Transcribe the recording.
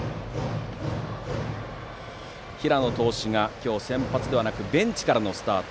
平野投手が今日は先発ではなくベンチからのスタート。